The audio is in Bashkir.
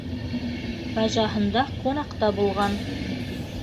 Бажаһында ҡунаҡта булған.